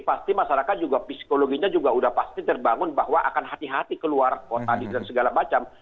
pasti masyarakat juga psikologinya juga sudah pasti terbangun bahwa akan hati hati keluar kota dan segala macam